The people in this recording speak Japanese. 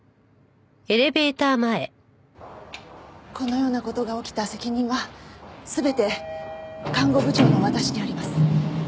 このような事が起きた責任は全て看護部長の私にあります。